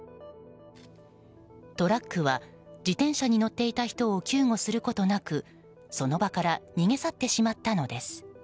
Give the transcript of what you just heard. トラックは自転車に乗っていた人を救護することなくその場から逃げ去ってしまったのです。